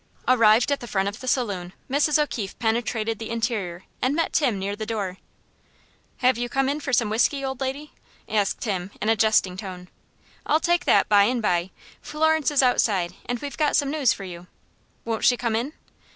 Arrived at the front of the saloon, Mrs. O'Keefe penetrated the interior, and met Tim near the door. "Have you come in for some whiskey, old lady?" asked Tim, in a jesting tone. "I'll take that by and by. Florence is outside, and we've got some news for you." "Won't she come in?"